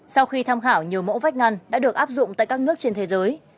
sau khi tham khảo nhiều mẫu vách ngăn đã được áp dụng tại các nước trên thế giới